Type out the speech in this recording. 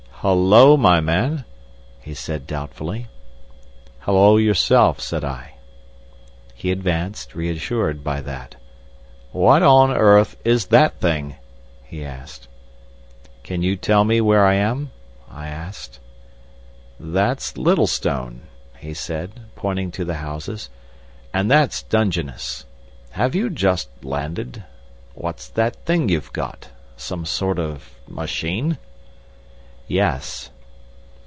"Hul lo, my man!" he said doubtfully. "Hullo yourself!" said I. He advanced, reassured by that. "What on earth is that thing?" he asked. "Can you tell me where I am?" I asked. "That's Littlestone," he said, pointing to the houses; "and that's Dungeness! Have you just landed? What's that thing you've got? Some sort of machine?" "Yes."